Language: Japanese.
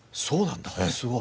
すごい。